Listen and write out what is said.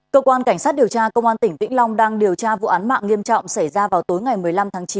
cơ quan cảnh sát điều tra công an tỉnh vĩnh long đang điều tra vụ án mạng nghiêm trọng xảy ra vào tối ngày một mươi năm tháng chín